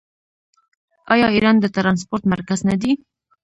آیا ایران د ټرانسپورټ مرکز نه دی؟